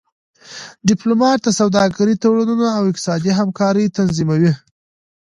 ډيپلومات د سوداګری تړونونه او اقتصادي همکاری تنظیموي.